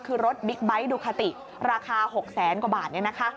คือรถบิ๊กไบท์ดูคาติราคา๖แสนกว่าบาท